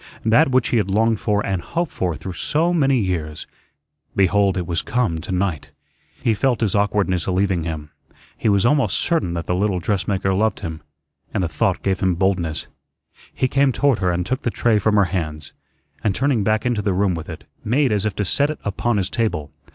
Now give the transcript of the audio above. That which he had longed for and hoped for through so many years, behold, it was come to night. He felt his awkwardness leaving him. He was almost certain that the little dressmaker loved him, and the thought gave him boldness. He came toward her and took the tray from her hands, and, turning back into the room with it, made as if to set it upon his table.